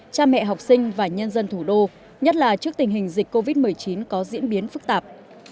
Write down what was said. cha mẹ học sinh và nhân dân thủ đô nhất là trước tình hình dịch covid một mươi chín có diễn biến phức tạp